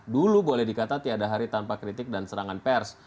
dulu boleh dikata tiada hari tanpa kritik dan serangan pers